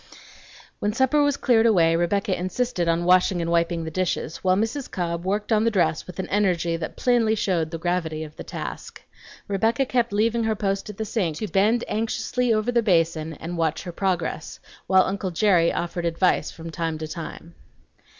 When supper was cleared away Rebecca insisted on washing and wiping the dishes, while Mrs. Cobb worked on the dress with an energy that plainly showed the gravity of the task. Rebecca kept leaving her post at the sink to bend anxiously over the basin and watch her progress, while uncle Jerry offered advice from time to time.